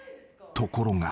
［ところが］